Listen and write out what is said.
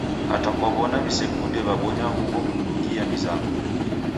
Hata kaw'ona w'isekunde w'abonya huw'o kunughjia mizango.